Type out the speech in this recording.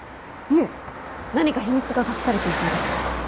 いえ何か秘密が隠されていそうです。